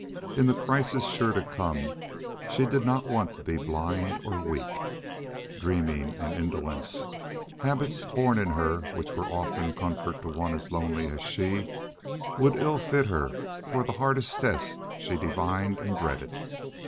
In the crisis sure to come she did not want to be blind or weak. Dreaming and indolence, habits born in her which were often a comfort to one as lonely as she, would ill fit her for the hard test she divined and dreaded.